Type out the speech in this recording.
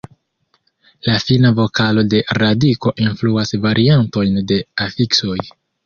La fina vokalo de radiko influas variantojn de afiksoj.